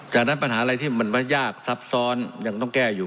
จากนั้นปัญหาอะไรที่มันยากซับซ้อนยังต้องแก้อยู่